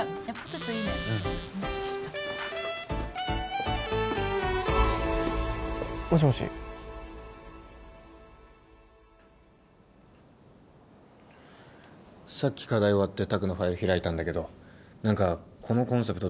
無視したもしもしさっき課題終わって拓のファイル開いたんだけど何かこのコンセプト